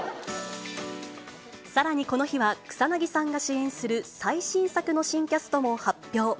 さらにこの日は、草なぎさんが主演する最新作の新キャストも発表。